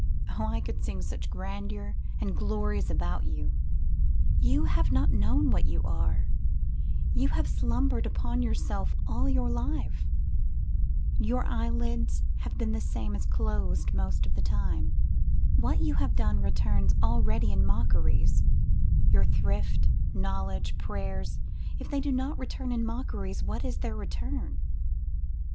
O I could sing such grandeurs and glories about you! You have not known what you are, you have slumberŌĆÖd upon yourself all your life, Your eyelids have been the same as closed most of the time, What you have done returns already in mockeries, (Your thrift, knowledge, prayers, if they do not return in mockeries, what is their return?)